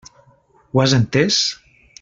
Ho has entès?